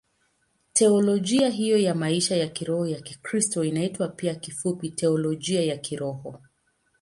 Teolojia hiyo ya maisha ya kiroho ya Kikristo inaitwa pia kifupi Teolojia ya Kiroho.